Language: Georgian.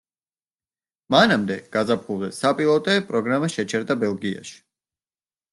მანამდე, გაზაფხულზე, საპილოტე პროგრამა შეჩერდა ბელგიაში.